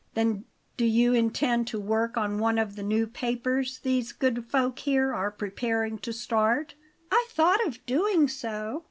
Then do you intend to work on one of the new papers these good folk here are preparing to start?" "I thought of doing so.